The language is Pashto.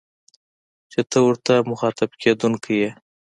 چي ته ورته مخاطب کېدونکی يې